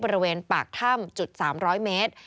บริเวณปากถ้ำจุด๓๐๐เมตร